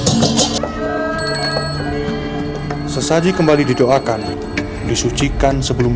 setelah penyucian warga tengger kembali berjalan kaki menuju pura utama yang letaknya sekitar satu km